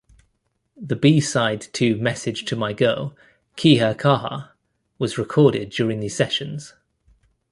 The B-side to "Message to My Girl", "Kia Kaha", was recorded during these sessions.